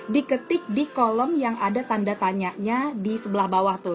diketik di kolom yang ada tanda tanyanya di sebelah bawah tuh